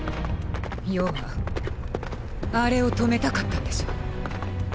要はアレを止めたかったんでしょ。